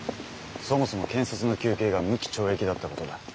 そもそも検察の求刑が無期懲役だったことだ。